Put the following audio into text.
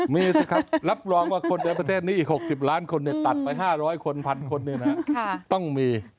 มีสิครับรับรองว่าคนในประเทศนี้อีก๖๐ล้านคนตัดไป๕๐๐คน๑๐๐คนต้องมี